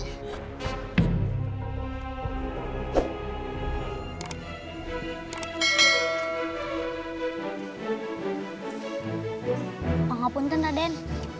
apa yang kamu lakukan raden